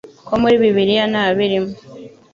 ko muri Bibiliya ntabirimo